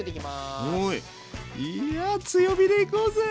いや強火で行こうぜ！